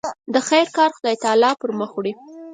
د خیر کار خدای تعالی پر مخ وړي.